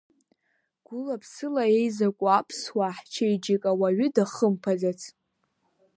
Гәыла-ԥсыла еизаку аԥсуаа ҳчеиџьыка уаҩы дахымԥаӡац.